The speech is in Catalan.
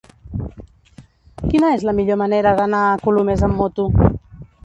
Quina és la millor manera d'anar a Colomers amb moto?